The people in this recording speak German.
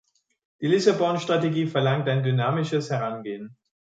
Die Lissabon-Strategie verlangt ein dynamisches Herangehen.